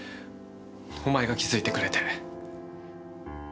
お前が気づいてくれて。